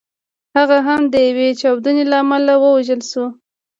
هغه هم د یوې چاودنې له امله ووژل شو.